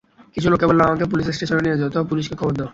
কিছু লোককে বললাম, আমাকে পুলিশ স্টেশনে নিয়ে যাও অথবা পুলিশে খবর দাও।